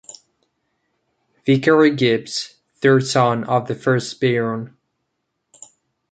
Vicary Gibbs, third son of the first Baron.